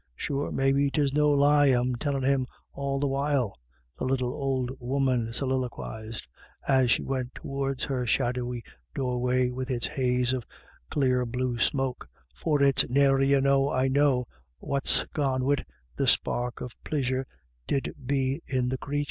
Sure, maybe 'tis no lie I'm tellin' him all the while," the little old woman soliloquised, as she went towards her shadowy doorway with its haze of clear blue smoke, " for it's nary a know I know what's gone wid the spark of plisure did be in the crathur."